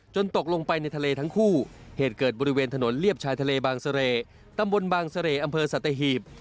ตกลงไปในทะเลทั้งคู่เหตุเกิดบริเวณถนนเลียบชายทะเลบางเสร่ตำบลบางเสร่อำเภอสัตหีบ